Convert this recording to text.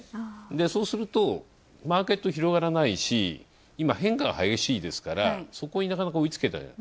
そうするとマーケット広がらないし今、変化が激しいですから、そこになかなか追いつけていない。